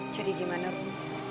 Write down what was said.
jadi gimana rum